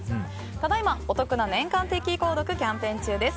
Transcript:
ただいま大変お得な年間定期購読キャンペーン中です。